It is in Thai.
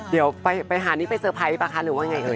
เดี๋ยวไปหาหนี้ไปเซอร์ไพร์ทป่าคันหรือเปล่าไงเลย